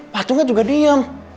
patungnya juga diem